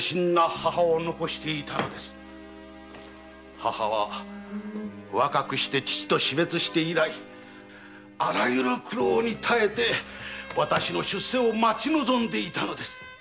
母は若くして父と死別して以来あらゆる苦労に耐え私の出世を待ち望んでいたのです。